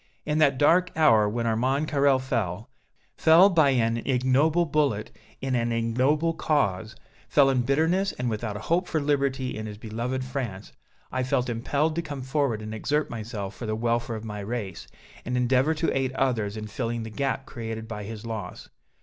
In that dark hour when Armand Carrel fell fell by an ignoble bullet in an ignoble cause fell in bitterness and without a hope for liberty in his beloved France I felt impelled to come forward and exert myself for the welfare of my race, and endeavor to aid others in filling the gap created by his loss.